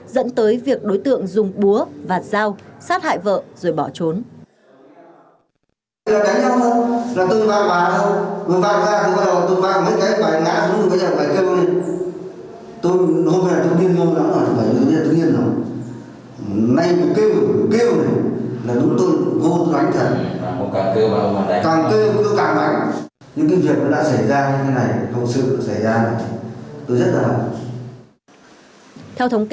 dẫn tới việc đối tượng dùng búa vạt dao sát hại vợ rồi bỏ trốn